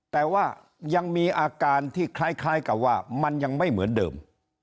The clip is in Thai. แต่ว่ายังมีอาการที่คล้ายกับว่ามันยังไม่เหมือนเดิม